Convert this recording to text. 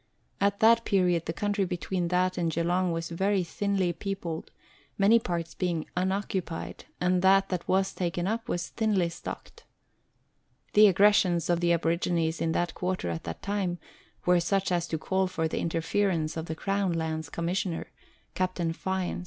At that period the country between that and Geelong was very thinly peopled many parts being unoccupied, and that that was taken up was thinly stocked. The aggressions of the aborigines in that quarter at that time were such as to call for the interference of the Crown Lands Commissioner, Captain Fyans.